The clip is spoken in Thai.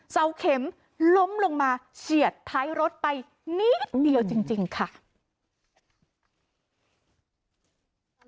เสาเข็มล้มลงมาเฉียดท้ายรถไปนิดเดียวจริงค่ะ